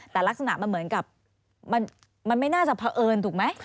แต่ลักษณะมันเหมือนกับมันไม่น่าจะเผอิญถูกไหม